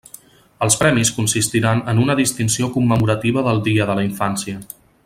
Els premis consistiran en una distinció commemorativa del Dia de la Infància.